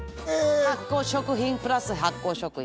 発酵食品プラス発酵食品。